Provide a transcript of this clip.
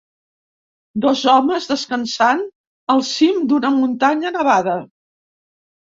Dos homes descansant al cim d'una muntanya nevada.